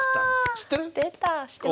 知ってる？